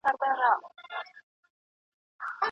له دښتونو خالي لاس نه وو راغلی